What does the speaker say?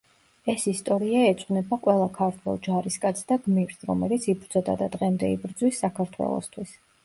ეს ისტორია ეძღვნება ყველა ქართველ ჯარისკაცს და გმირს, რომელიც იბრძოდა და დღემდე იბრძვის საქართველოსთვის.